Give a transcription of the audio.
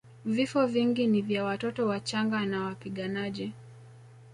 Vifo vingi ni vya watoto wachanga na wapiganaji